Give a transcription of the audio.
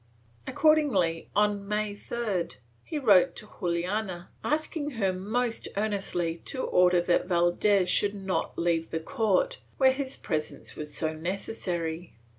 Accordingly, on May 3d, he wrote to Juana asking her most earnestly to order that Valdes should not leave the court, where his presence was so necessary.